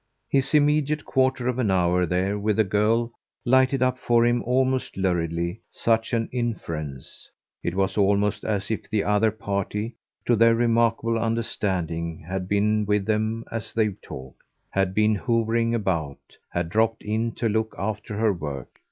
His immediate quarter of an hour there with the girl lighted up for him almost luridly such an inference; it was almost as if the other party to their remarkable understanding had been with them as they talked, had been hovering about, had dropped in to look after her work.